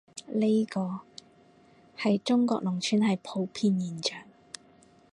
呢個，喺中國農村係普遍現象